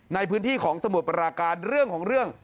ในพื้นที่ของสมุทรปราการเรื่องของเรื่อง